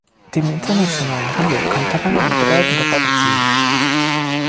Dem internationalen Handel kommt dabei eine bedeutende Rolle zu.